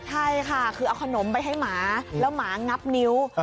ใช่ค่ะคือเอาขนมไปให้หมาแล้วหมางับนิ้ว